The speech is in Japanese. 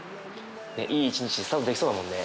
いい一日スタートできそうだもんね。